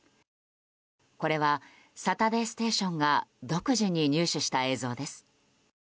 これは「サタデーステーション」が独自に入手した映像です。